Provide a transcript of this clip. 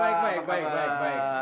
baik baik baik baik baik